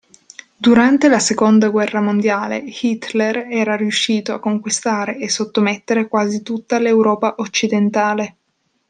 Durante la Seconda guerra mondiale Hitler era riuscito a conquistare e sottomettere quasi tutta l'Europa occidentale.